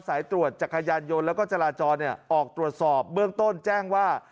สายตรวจจักรยานยนต์แล้วก็จราจรออกตรวจสอบเบื้องต้นแจ้งว่า